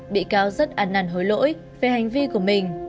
bị cáo rất ăn năn hối lỗi về hành vi của mình